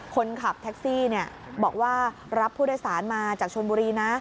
คนขับแท็กซี่บอกว่ารับผู้โดยสารมาจากชนบุรีนะ